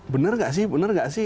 bener nggak sih bener nggak sih